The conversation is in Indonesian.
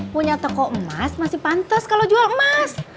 punya toko emas masih pantas kalau jual emas